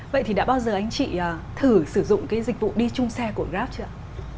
vậy thì đã bao giờ anh chị thử sử dụng cái dịch vụ đi chung xe của grab chưa ạ